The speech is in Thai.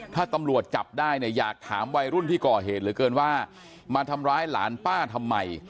ถ้าตำรวจจับได้เนี่ยอยากถามวัยรุ่นที่ก่อเหตุเหลือเกินว่ามาทำร้ายหลานป้าทำไม